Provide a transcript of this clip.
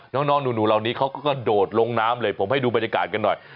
น้องหนูเหล่านี้เขาก็กระโดดลงน้ำเลยผมให้ดูบรรยากาศกันหน่อย